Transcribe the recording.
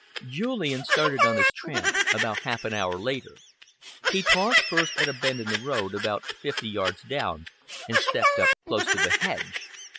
Julian started on his tramp about half an hour later. He paused first at a bend in the road, about fifty yards down, and stepped up close to the hedge.